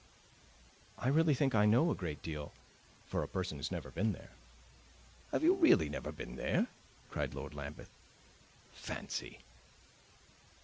"I really think I know a great deal for a person who has never been there." "Have you really never been there?" cried Lord Lambeth. "Fancy!"